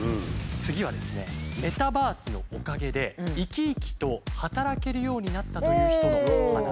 次はですねメタバースのおかげで生き生きと働けるようになったという人のお話。